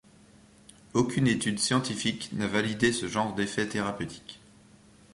Aucune étude scientifique n'a validé ce genre d'effet thérapeutique.